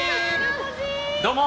どうも！